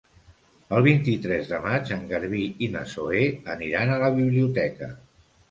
El vint-i-tres de maig en Garbí i na Zoè aniran a la biblioteca.